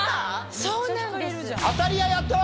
そうなんです。よね？